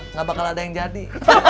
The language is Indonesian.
nggak bakal ada yang jadi